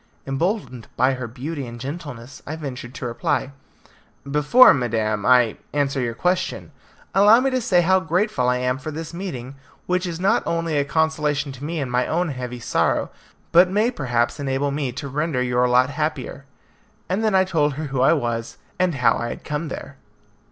Emboldened by her beauty and gentleness, I ventured to reply, "Before, madam, I answer your question, allow me to say how grateful I am for this meeting, which is not only a consolation to me in my own heavy sorrow, but may perhaps enable me to render your lot happier," and then I told her who I was, and how I had come there.